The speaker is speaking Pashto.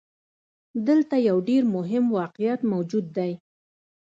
دلته يو ډېر مهم واقعيت موجود دی.